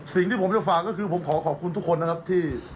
สิ่งที่ผมจะฝากก็คือผมขอขอบคุณทุกคนนะครับที่